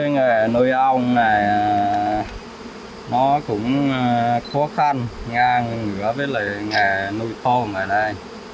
nghề nuôi ong này nó cũng khó khăn ngang ngứa với nghề nuôi thông ở đây